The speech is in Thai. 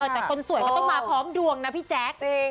แต่คนสวยก็ต้องมาพร้อมดวงนะพี่แจ๊ค